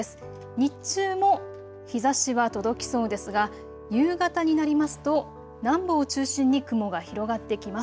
日中も日ざしは届きそうですが夕方になりますと南部を中心に雲が広がってきます。